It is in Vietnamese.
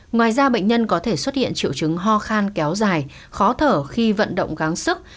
ngoài ra bệnh nhân có thể xuất hiện triệu chứng ho khan kéo dài khó thở khi vận động gáng sức